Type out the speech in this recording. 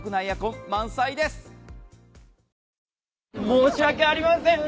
申し訳ありません。